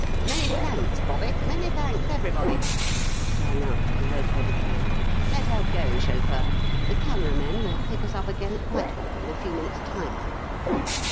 "Many thanks, Bobby; many thanks, everybody!" sang out the red headed man. "Let her go, chauffeur. The camera men will pick us up again at Whitehall, in a few minutes' time."